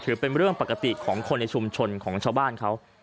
ถือเป็นเรื่องปกติของคนในชุมชนของชาวบ้านเขา